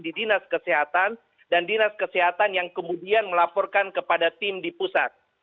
di dinas kesehatan dan dinas kesehatan yang kemudian melaporkan kepada tim di pusat